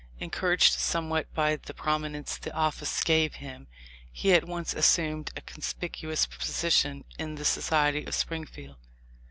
Encouraged somewhat by the prominence the office gave him, he at once assumed a conspicuous posi tion in the society of Springfield.